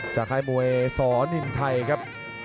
จากไทยมูเอสนินไทยครับ